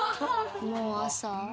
もう朝？